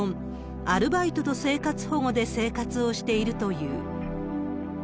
アルバイトと生活保護で生活をしているという。